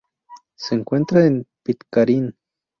Se encuentra en Pitcairn.